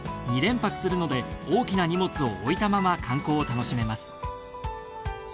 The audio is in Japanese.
２連泊するので大きな荷物を置いたまま観光を楽しめます。